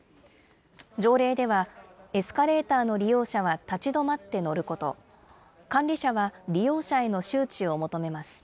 条例では、エスカレーターの利用者は立ち止まって乗ること、管理者は利用者への周知を求めます。